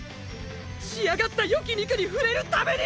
仕上がった最上級筋肉に触れるために！！